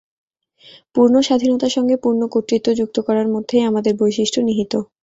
পূর্ণ স্বাধীনতার সঙ্গে পূর্ণ কর্তৃত্ব যুক্ত করার মধ্যেই আমাদের বৈশিষ্ট্য নিহিত।